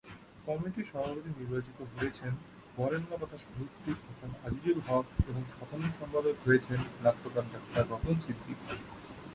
কমিটির সভাপতি নির্বাচিত হয়েছেন বরেণ্য কথা সাহিত্যিক হাসান আজিজুল হক এবং সাধারণ সম্পাদক হয়েছেন নাট্যকার ডাক্তার রতন সিদ্দিকী।